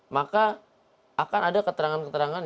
maka akan ada keterangan keterangan